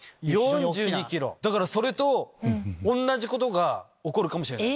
だからそれと同じことが起こるかもしれない。